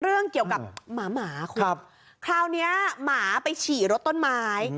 เรื่องเกี่ยวกับหมาหมาคุณครับคราวนี้หมาไปฉี่รถต้นไม้